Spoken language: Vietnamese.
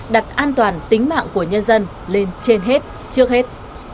đặt an toàn tính mạng của nhân dân lên trên hết trước hết